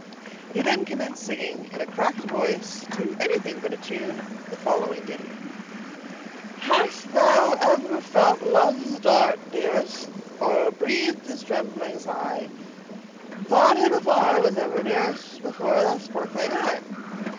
He then commenced singing, in a cracked voice, and to anything but a tune, the following ditty:— Hast thou ever felt love's dart, dearest, Or breathed his trembling sigh— Thought him, afar, was ever nearest, Before that sparkling eye?